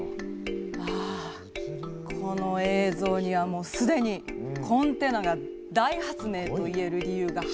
あこの映像にはもう既にコンテナが大発明と言える理由がはっきりと映っています。